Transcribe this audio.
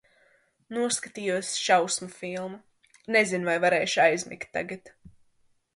Noskatījos šausmu filmu. Nezinu, vai varēšu aizmigt tagad.